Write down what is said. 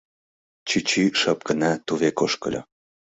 Чӱчӱ шып гына тувек ошкыльо.